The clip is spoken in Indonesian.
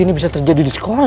lihat siapa yang nelfon